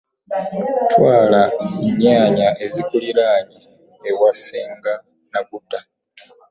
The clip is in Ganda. Twala ennyaanya ezikuliraanye ewa Naggutta.